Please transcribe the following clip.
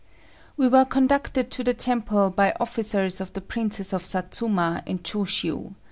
We were conducted to the temple by officers of the Princes of Satsuma and Choshiu.